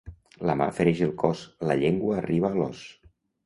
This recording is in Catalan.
La mà fereix el cos, la llengua arriba a l'os.